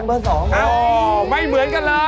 ออเมื่อส์เหมือนกัน